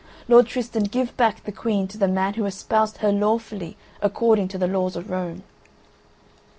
Lord Tristan, give back the Queen to the man who espoused her lawfully according to the laws of Rome."